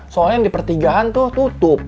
soalnya yang di pertigaan tuh tutup